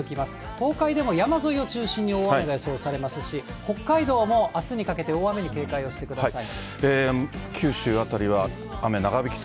東海でも山沿いを中心に大雨が予想されますし、北海道もあすにかけて大雨に警戒をしてください。